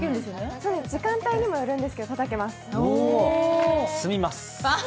時間帯にもよるんですけどたたけます。